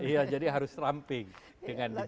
iya jadi harus ramping dengan di